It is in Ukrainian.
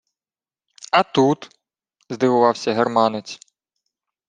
— А тут?! — здивувався германець.